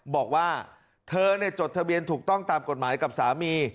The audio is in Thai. บอกว่าเธอจดทะเบียนถูกต้องตามกฎหมายกับสามี